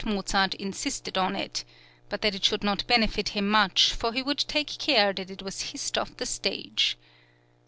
Mozart insisted on it, but that it should not benefit him much, for he would take care that it was hissed off the stage.